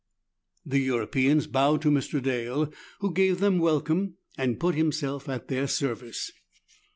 The Europeans bowed to Mr. Dale, who gave them welcome, and put himself at their service.